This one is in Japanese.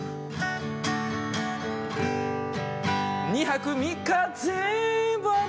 「２泊３日全部雨」